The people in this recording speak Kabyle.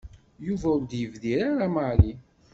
Yuba ur d-yebdir ara Mary.